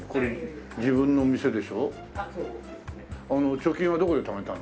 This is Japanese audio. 貯金はどこでためたの？